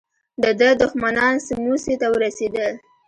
د ده دښمنان سموڅې ته ورسېدل.